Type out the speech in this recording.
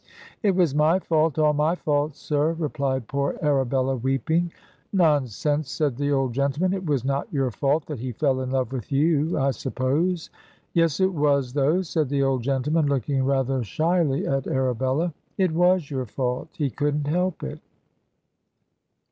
' It was my fault, all my fault, sir,' replied poor Arabella, weeping. ' Non sense,' said the old gentleman, ' it was not your fault that he fell in love with you, I suppose. Yes, it was, though,' said the old gentleman, looking rather shyly at Arabella. 'It loas your fault; he couldn't help it.'